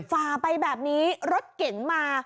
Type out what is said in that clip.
ฝ่าไปแบบนี้รถเก๋งมา